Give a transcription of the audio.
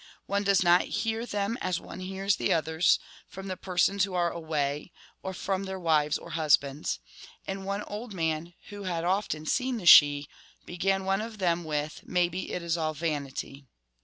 One does not hear them as one hears the others, from the persons who are 'away, ' or from their wives or husbands ; and one old man, who had often seen the Sidhe, began one of them with * Maybe it is all vanity.